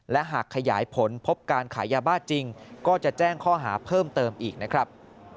และหากขยายผลพบการขายยาบ้าจริงก็จะแจ้งข้อหาเพิ่มเติมอีกนะครับ